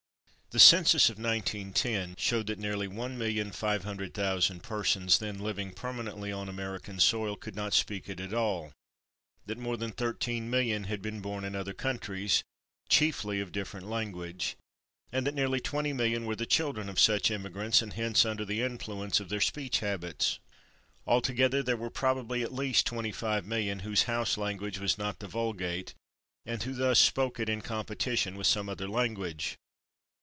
The census of 1910 showed that nearly 1,500,000 persons then living permanently on American soil could not speak it at all; that more than 13,000,000 had been born in other countries, chiefly of different language; and that nearly 20,000,000 were the children of such immigrants, and hence under the influence of their speech habits. Altogether, there were probably at least 25,000,000 whose house language was not the vulgate, and who thus spoke it in competition with some other language.